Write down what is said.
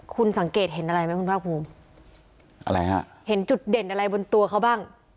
คุณสังเกตเห็นอะไรไหมบ้างพุงอันตรายเห็นจุดเด่นอะไรบนตัวเข้าบ้าง